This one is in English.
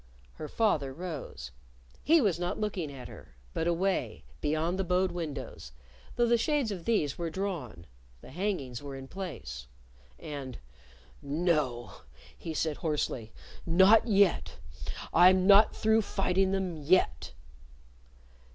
Her father rose. He was not looking at her but away, beyond the bowed windows, though the shades of these were drawn, the hangings were in place. And, "No!" he said hoarsely; "not yet! I'm not through fighting them _yet!